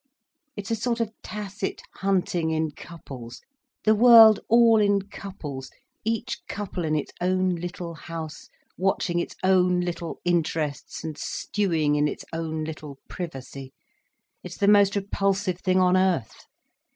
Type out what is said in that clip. It's a sort of tacit hunting in couples: the world all in couples, each couple in its own little house, watching its own little interests, and stewing in its own little privacy—it's the most repulsive thing on earth."